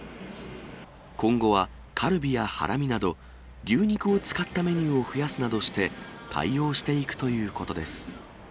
今後はカルビやハラミなど、牛肉を使ったメニューを増やすなどして、対応していくということです。